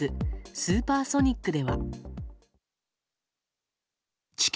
スーパーソニックでは。